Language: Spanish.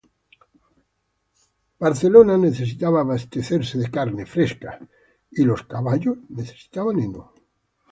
Boston necesitaba abastecerse de carne fresca, y los caballos necesitaban heno.